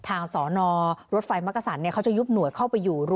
อาจจะยุบหน่วยเข้าไปอยู่